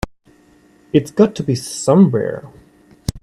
It's got to be somewhere.